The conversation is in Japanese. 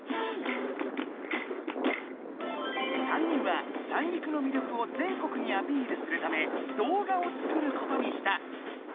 ３人は三陸の魅力を全国にアピールするため動画を作ることにした！